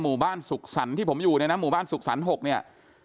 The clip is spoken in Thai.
หมู่บ้านสุขสรรค์ที่ผมอยู่เนี่ยนะหมู่บ้านสุขสรรค๖เนี่ย